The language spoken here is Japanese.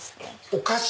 お菓子？